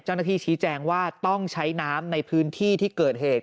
เจ้าหน้าที่ชี้แจงว่าต้องใช้น้ำในพื้นที่ที่เกิดเหตุ